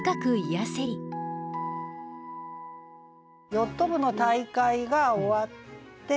ヨット部の大会が終わって。